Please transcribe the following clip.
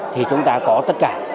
thì chúng ta có tất cả